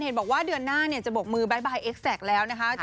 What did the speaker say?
บอกว่าเดือนหน้าจะบกมือบ๊ายบายเอ็กแซคแล้วนะคะ